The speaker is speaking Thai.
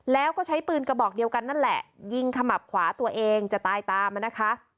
แล้วก็ใช้ปืนกระบอกเดียวกันนั่นแหละยิงขมับขวาตัวเองจะตายตามมานะคะ